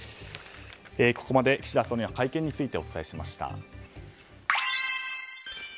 ここまで岸田総理の会見についてお伝えしました。